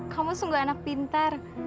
kamu sungguh anak pintar